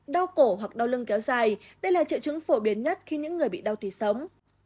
đau cổ hoặc đau lưng kéo dài đây là triệu chứng phổ biến nhất khi những người bị đau tì sống